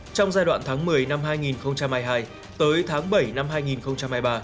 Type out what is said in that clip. trong giai đoạn tháng một mươi năm hai nghìn hai mươi hai tới tháng bảy năm hai nghìn hai mươi ba